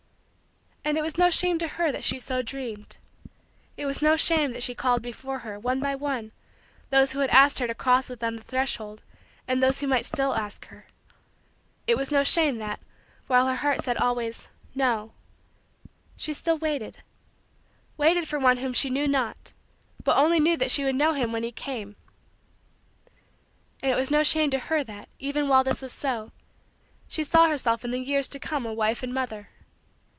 And it was no shame to her that she so dreamed. It was no shame that she called before her, one by one, those who had asked her to cross with them the threshold and those who might still ask her. It was no shame that, while her heart said always, "no," she still waited waited for one whom she knew not but only knew that she would know him when he came. And it was no shame to her that, even while this was so, she saw herself in the years to come a wife and mother.